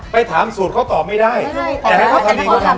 ไปถามสูตรเขาตอบไม่ได้แต่ให้พระพันธีเขาทำได้